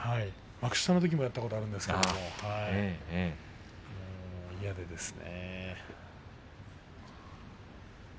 幕下のときもやったことあるんですけど嫌でですね。